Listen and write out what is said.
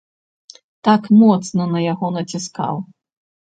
Так моцна на яго націскаў.